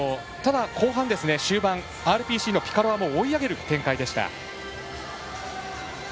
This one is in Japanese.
後半終盤、ＲＰＣのピカロワも追い上げる展開でした。